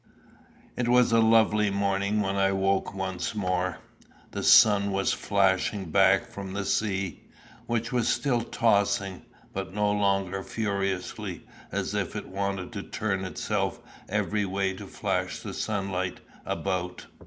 It was a lovely morning when I woke once more. The sun was flashing back from the sea, which was still tossing, but no longer furiously, only as if it wanted to turn itself every way to flash the sunlight about.